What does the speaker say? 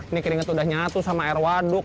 ini keringet udah nyatu sama air waduk